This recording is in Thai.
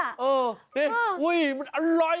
อ่ะดูว๊ยมันอร่อย